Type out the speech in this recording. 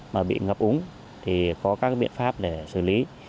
mà bị ngập úng thì có các biện pháp để xử lý